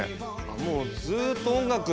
もうずっと音楽連続で？